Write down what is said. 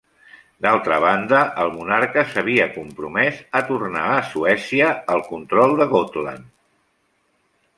D'altra banda, el monarca s'havia compromès a tornar a Suècia el control de Gotland.